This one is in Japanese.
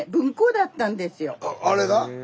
あれが？